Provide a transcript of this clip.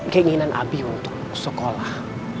keinginan abi untuk sekolah